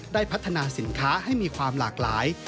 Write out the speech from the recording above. ได้พัฒนาสินค้าให้มีความหลากหลาย